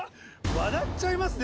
・笑っちゃいますね